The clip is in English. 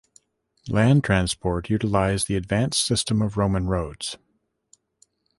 Land transport utilized the advanced system of Roman roads.